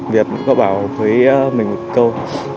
việt có bảo với mình một câu